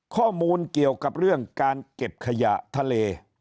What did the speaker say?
ข้อมูลเกี่ยวกับเรื่องการเก็บขยะทะเล